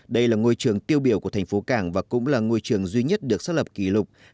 đây là ngôi trường tiêu biểu của thành phố cảng và cũng là ngôi trường duy nhất được xác lập kỷ lục